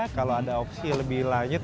kalau ada opsi lebih lanjut